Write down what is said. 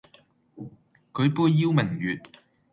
舉杯邀明月，